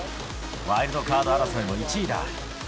ワイルドカード争いも１位だ。